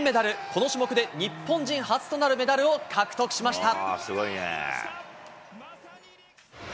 この種目で日本人初となるメダルを獲得しました。